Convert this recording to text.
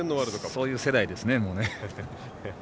そういう世代ですね、もう。